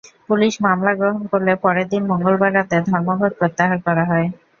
Police মামলা গ্রহণ করলে পরের দিন মঙ্গলবার রাতে ধর্মঘট প্রত্যাহার করা হয়।